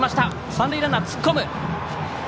三塁ランナー突っ込む。